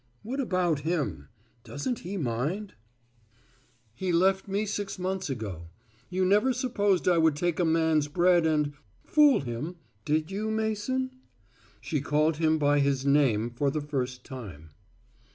"What about him? Doesn't he mind?" "He left me six months ago. You never supposed I would take a man's bread and fool him, did you, Mason?" She called him by his name for the first time.